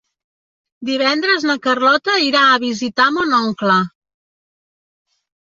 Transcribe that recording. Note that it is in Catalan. Divendres na Carlota irà a visitar mon oncle.